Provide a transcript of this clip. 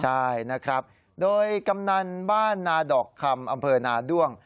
ใช่นะครับโดยกำนันบ้านนาดอกคำอำเภอนาด้วง